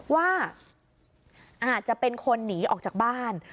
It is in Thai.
ว่าอาจจะเป็นคนหนีออกจากบ้าน